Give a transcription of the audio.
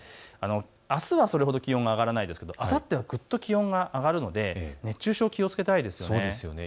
あすはそれほど気温が上がらないですが、あさってぐっと気温が上がるので熱中症、気をつけたいですね。